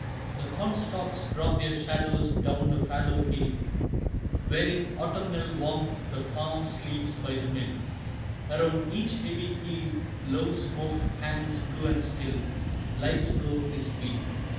The corn stalks drop their shadows down the fallow hill; Wearing autumnal warmth the farm sleeps by the mill, Around each heavy eave low smoke hangs blue and still Life's flow is weak.